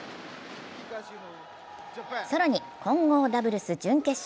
更に混合ダブルス準決勝。